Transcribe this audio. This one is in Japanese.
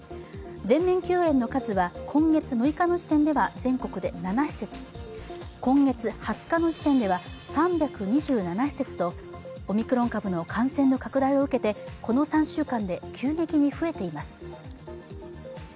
全面休園の数は今月６日の時点では全国で７施設、今月２０日の時点では３２７施設とオミクロン株の感染の拡大を受けてこの３週間で急激に増えています。